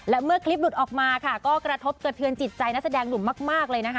และเมื่อคลิปหลุดออกมาค่ะก็กระทบกระเทือนจิตใจนักแสดงหนุ่มมากเลยนะคะ